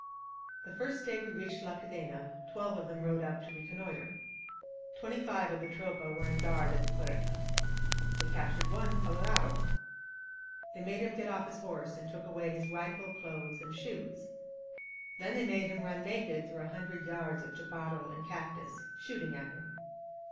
The first day we reached La Cadena, twelve of them rode up to reconnoiter. Twenty five of the Tropa were on guard at the Fuerta. They captured one Colorado. They made him get off his horse, and took away his rifle, clothes and shoes. Then they made him run naked through a hundred yards of chaparral and cactus, shooting at him.